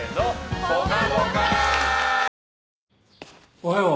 おはよう